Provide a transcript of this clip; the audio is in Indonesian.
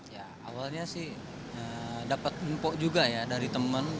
ya awalnya sih dapat mumpok juga ya dari temen